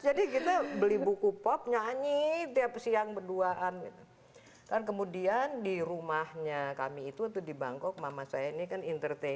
kita beli buku pop nyanyi tiap siang berduaan gitu kan kemudian di rumahnya kami itu di bangkok mama saya ini kan entertain